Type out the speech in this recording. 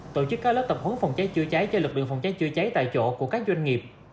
tổ chức các lớp tập huấn phòng cháy chữa cháy cho lực lượng phòng cháy chữa cháy tại chỗ của các doanh nghiệp